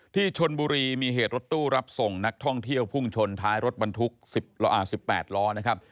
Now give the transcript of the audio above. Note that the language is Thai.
ที่ชนบุรีมีเหตุรถตู้รับส่งนักท่องเที่ยวพุ่งชนท้ายรถบรรทุก๑๘ล้อนะครับ